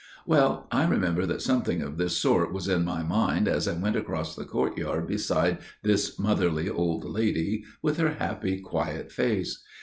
"Well, I remember that something of this sort was in my mind as I went across the courtyard beside this motherly old lady with her happy quiet face.